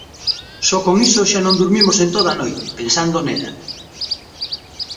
Só con iso xa non durmimos en toda a noite, pensando nela.